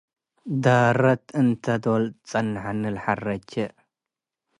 ዳረት እንተ ዶል ትጸነሐኒ ለሐረቼ